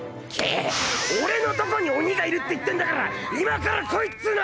俺のとこに鬼がいるって言ってんだから今から来いっつうの！